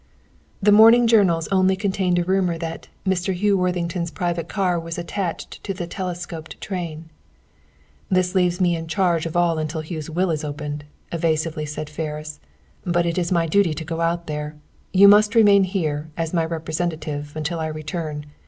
The morning journals only contained a rumor that "Mr. Hugh Worthington's private car was attached to the telescoped train." "This leaves me in charge of all until Hugh's will is opened," evasively said Ferris. "But it is my duty to go out there. You must remain here, as my representative, until I return.